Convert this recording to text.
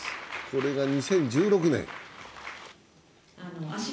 これが２０１６年。